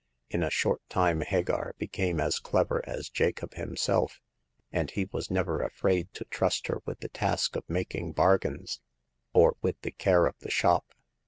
In a short time Hagar became as clever as Jacob himself, and he was never afraid to trust her with the task of mak ing bargains, or with the care of the shop.